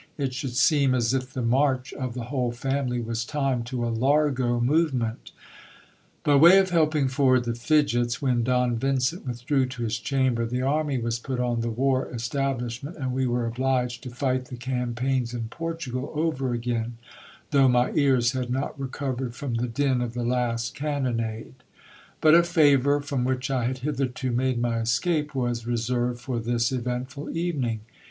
It should seem as if the march of the whole family was timed to a largo move ment By way of helping forward the fidgets, when Don Vincent withdrew to his chamber, the army was put on the war establishment and we were obliged to fight the campaigns in Portugal over again, though my ears had not re covered from the din of the last cannonade. But a favour, from which I had hitherto made my escape, was reserved for this eventful evening.